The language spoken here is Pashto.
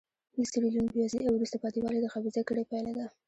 د سیریلیون بېوزلي او وروسته پاتې والی د خبیثه کړۍ پایله ده.